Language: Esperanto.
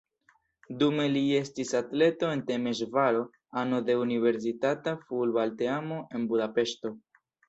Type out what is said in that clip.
Dume li estis atleto en Temeŝvaro, ano de universitata futbalteamo en Budapeŝto.